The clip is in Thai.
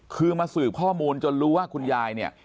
คือมาสืบข้อมูลจนรู้ว่าคุณยายเนี่ย